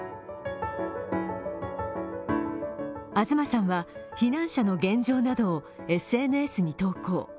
東さんは避難者の現状などをＳＮＳに投稿。